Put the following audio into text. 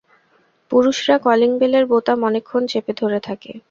পুরুষরা কলিং বেলের বোতাম অনেকক্ষণ চেপে ধরে থাকে।